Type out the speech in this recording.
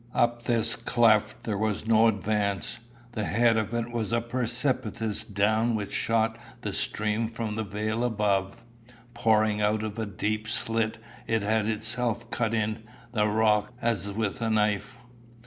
Up this cleft there was no advance. The head of it was a precipice down which shot the stream from the vale above, pouring out of a deep slit it had itself cut in the rock as with a knife.